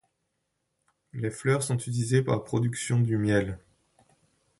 Les fleurs sont utilisées pour la production du miel.